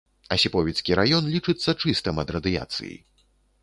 Асіповіцкі раён лічыцца чыстым ад радыяцыі.